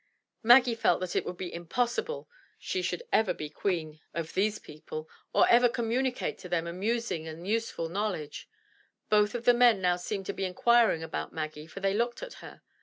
Maggie felt that it would be impossi ble she should ever be queen of these 245 M Y BOOK HOUSE people, or ever communicate to them amusing and useful know ledge. Both of the men now seemed to be inquiring about Maggie for they looked at her.